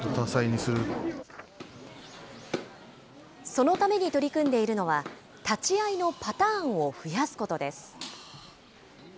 そのために取り組んでいるのは、立ち合いのパターンを増やすことです。